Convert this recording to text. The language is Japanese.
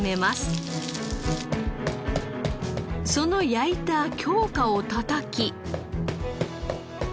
その焼いた京香をたたき。